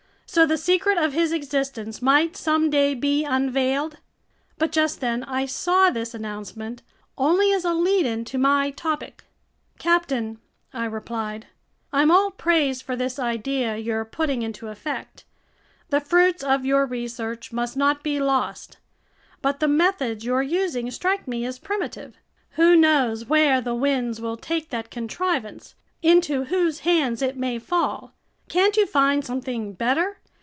So the secret of his existence might someday be unveiled? But just then I saw this announcement only as a lead in to my topic. "Captain," I replied, "I'm all praise for this idea you're putting into effect. The fruits of your research must not be lost. But the methods you're using strike me as primitive. Who knows where the winds will take that contrivance, into whose hands it may fall? Can't you find something better?